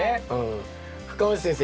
深町先生